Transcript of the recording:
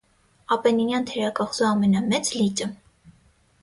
Ապենինյան թերակղզու ամենամեծ լիճը։